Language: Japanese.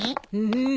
うん？